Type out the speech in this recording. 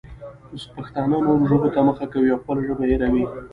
پښتانه نورو ژبو ته مخه کوي او خپله ژبه هېروي.